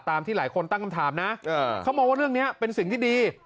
ที่หลายคนตั้งคำถามนะเขามองว่าเรื่องนี้เป็นสิ่งที่ดี